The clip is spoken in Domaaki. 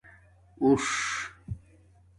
اݸݽ